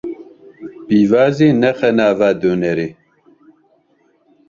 Pîvazê nexe nava donerê.